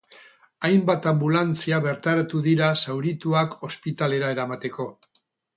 Hainbat anbulantzia bertaratu dira zaurituak ospitalera eramateko.